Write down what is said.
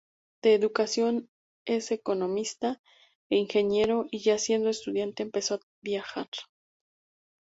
De educación es economista e ingeniero y ya siendo estudiante empezó a viajar.